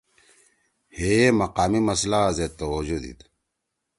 ہیے مقامی مسئلا زید توجہ دیِد۔